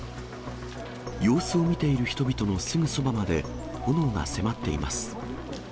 様子を見ている人々のすぐそばまで炎が迫っています。